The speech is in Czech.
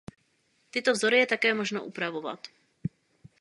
Tyto vzory je také možno upravovat.